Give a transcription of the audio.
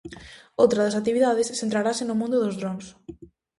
Outra das actividades centrarase no mundo dos drons.